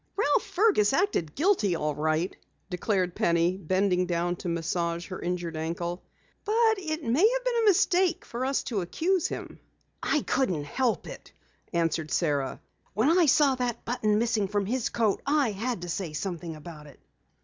"Ralph Fergus acted guilty, all right," declared Penny, bending down to massage her injured ankle. "But it may have been a mistake for us to accuse him." "I couldn't help it," answered Sara. "When I saw that button missing from his coat, I had to say something about it."